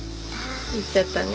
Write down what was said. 行っちゃったね。